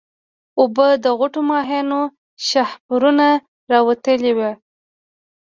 اوبه د غوټه ماهيانو شاهپرونه راوتلي وو.